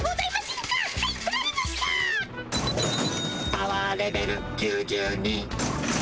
「パワーレベル９２」。